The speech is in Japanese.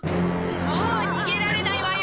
もう逃げられないわよ！